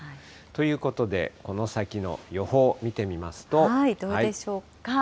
ということで、この先の予報見てみますと。